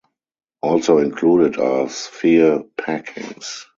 Also included are sphere packings.